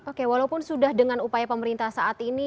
oke walaupun sudah dengan upaya pemerintah saat ini